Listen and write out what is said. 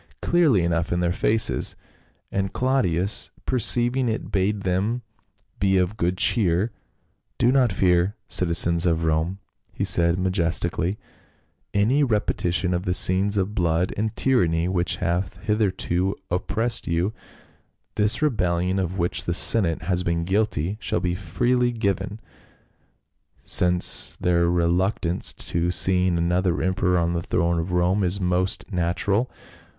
217 clearly enough in their faces, and Claudius perceiving it bade them be of good cheer. " Do not fear, citi zens of Rome," he said majestically, "any repetition of the scenes of blood and tyranny which have hith erto oppressed you ; this rebellion of which the senate has been guilty shall be freely forgiven, since their reluctance to seeing another emperor on the throne of Rome is most natural.